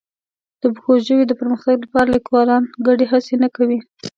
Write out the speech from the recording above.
د پښتو ژبې د پرمختګ لپاره لیکوالان ګډې هڅې نه کوي.